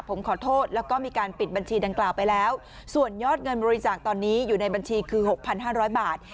ผมขอโทษแล้วก็มีการปิดบัญชีดังกล่าวไปแล้วส่วนยอดเงินบริจาคตอนนี้อยู่ในบัญชีคือ๖๕๐๐บาท